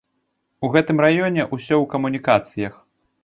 У гэтым раёне ўсё ў камунікацыях.